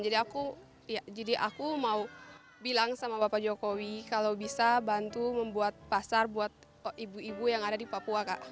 jadi aku mau bilang sama bapak jokowi kalau bisa bantu membuat pasar buat ibu ibu yang ada di papua kak